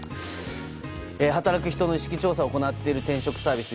働く人の意識調査を行っている転職サービス